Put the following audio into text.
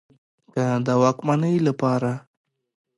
که د واکمنۍ له پاره